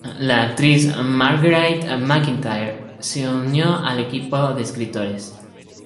La actriz Marguerite MacIntyre se unió al equipo de escritores.